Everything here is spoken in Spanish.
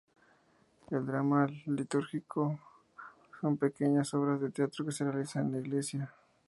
El drama litúrgico son pequeñas obras de teatro que se realizan en la Iglesia.